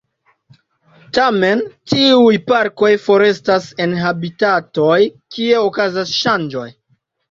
Tamen, tiuj parkoj forestas en habitatoj kie okazas ŝanĝoj.